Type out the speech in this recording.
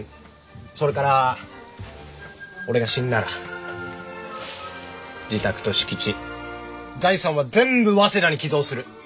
それから俺が死んだら自宅と敷地財産は全部早稲田に寄贈する！